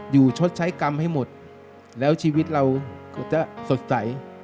ชดใช้กรรมให้หมดแล้วชีวิตเราก็จะสดใส